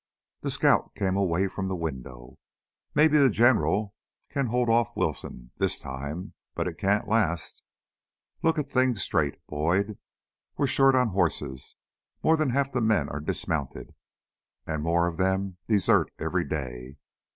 The scout came away from the window. "Maybe the General can hold off Wilson ... this time. But it can't last. Look at things straight, Boyd. We're short on horses; more'n half the men are dismounted. And more of them desert every day.